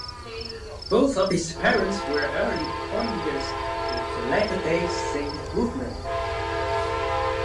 Both of his parents were early pioneers with the Latter Day Saint movement.